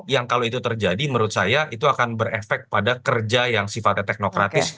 yang kalau itu terjadi menurut saya itu akan berefek pada kerja yang sifatnya teknokratis